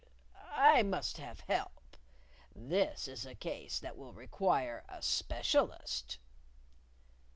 I must have help. This is a case that will require a specialist."